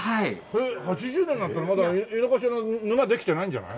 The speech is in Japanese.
８０年なんてのはまだ井の頭の沼できてないんじゃない？